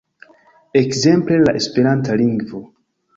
Ekzemple, la esperanta lingvo.